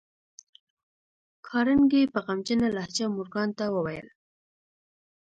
کارنګي په غمجنه لهجه مورګان ته وویل